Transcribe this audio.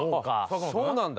そうなんだ。